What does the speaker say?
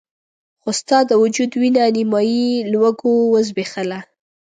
خو ستا د وجود وينه نيمایي لوږو وزبېښله.